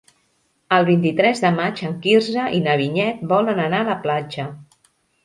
El vint-i-tres de maig en Quirze i na Vinyet volen anar a la platja.